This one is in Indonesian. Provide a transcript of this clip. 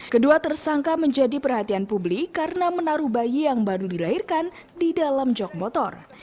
kedua tersangka menjadi perhatian publik karena menaruh bayi yang baru dilahirkan di dalam jog motor